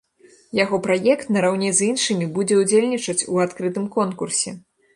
Яго праект нараўне з іншымі будзе ўдзельнічаць у адкрытым конкурсе.